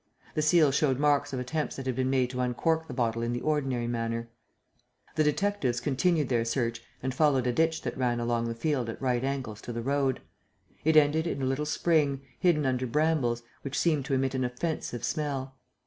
The seal showed marks of attempts that had been made to uncork the bottle in the ordinary manner. The detectives continued their search and followed a ditch that ran along the field at right angles to the road. It ended in a little spring, hidden under brambles, which seemed to emit an offensive smell.